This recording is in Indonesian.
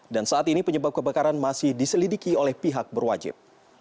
dan saat ini penyebab kebakaran masih diselidiki oleh pihak berwajib